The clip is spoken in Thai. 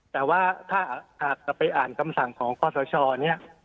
แต่ว่าถ้าหากจะไปอ่านคำสั่งของคอสชเนี่ย